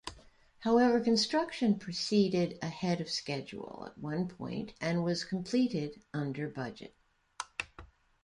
However, construction proceeded ahead of schedule at one point and was completed under budget.